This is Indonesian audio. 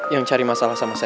yang cari masalah sama saya